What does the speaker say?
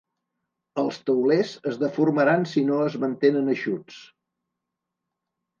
Els taulers es deformaran si no es mantenen eixuts.